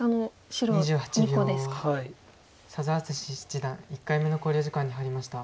佐田篤史七段１回目の考慮時間に入りました。